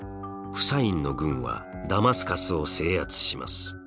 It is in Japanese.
フサインの軍はダマスカスを制圧します。